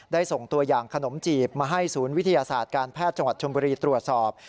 ส่งตัวอย่างขนมจีบมาให้ศูนย์วิทยาศาสตร์การแพทย์จังหวัดชมบุรีตรวจสอบ